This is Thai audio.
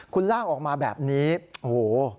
คุณลากออกมาแบบนี้โอ้โห